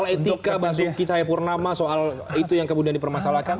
etika basuki sayapurnama soal itu yang kemudian dipermasalahkan